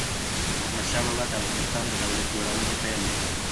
احمد شاه بابا د افغانستان د دولت جوړونې پيل وکړ.